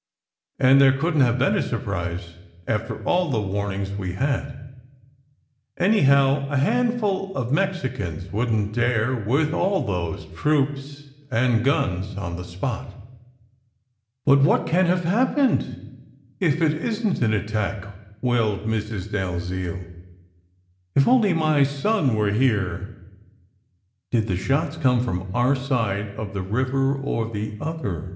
And there couldn t have been a surprise after all the warnings we had. Anyhow, a handful of Mexicans wouldn t dare, with all those troops and guns on the spot." "But what can have happened if it isn t an attack?" wailed Mrs. Dalziel. "If only my son were here!" "Did the shots come from our side of the river, or the other?"